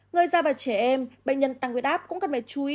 người già và trẻ em bệnh nhân tăng huyết áp cũng cần phải chú ý